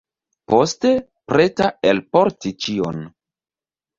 Poste, preta elporti ĉion.